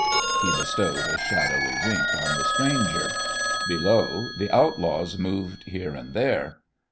He bestowed a shadowy wink on the stranger Below, the outlaws moved here and there.